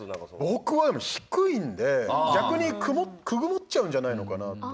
僕は低いんで逆に、くぐもっちゃうんじゃないかなって。